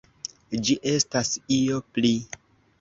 Ĝi estas io pli.